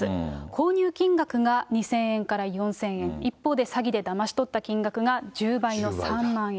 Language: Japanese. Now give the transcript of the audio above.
購入金額が２０００円から４０００円。一方で詐欺でだまし取った金額が１０倍の３万円。